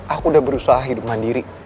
aku udah berusaha hidup mandiri